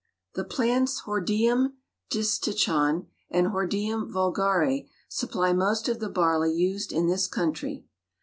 The plants Hordeum Distichon and Hordeum Vulgare supply most of the barley used in this country.